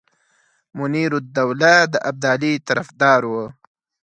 منیرالدوله د ابدالي طرفدار وو.